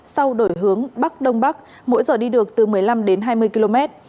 sau đổi hướng bắc đông bắc mỗi giờ đi được từ một mươi năm đến hai mươi km